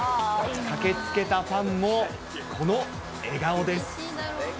駆けつけたファンもこの笑顔です。